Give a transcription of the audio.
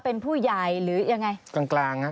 เป็นผู้ใหญ่หรือยังไง